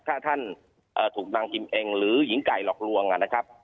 ถ้าท่านถูกนางอิมเองหรือหญิงไก่หลอกลวงนะครับ